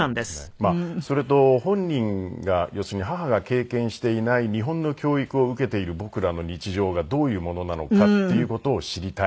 まあそれと本人が要するに母が経験していない日本の教育を受けている僕らの日常がどういうものなのかっていう事を知りたい。